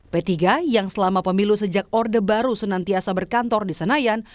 p tiga yang selama pemilu sejak orde baru senantiasa berkantor di senayan